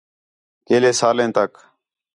کیلے سالیں تک